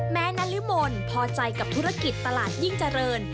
แม้นาลิมนต์พอใจกับธุรกิจตลาดยิ่งเจริญ